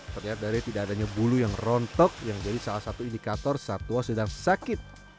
terlihat dari tidak adanya bulu yang rontok yang jadi salah satu indikator satwa sedang sakit